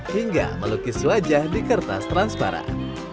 hingga melukis wajah di kertas transparan